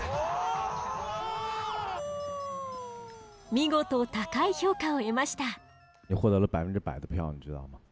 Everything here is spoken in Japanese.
見事高い評価を得ました。